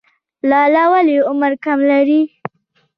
لاله ولې عمر کم لري؟